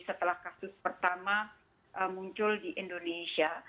setelah kasus pertama muncul di indonesia